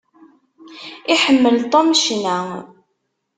Iḥemmel Tom ccna.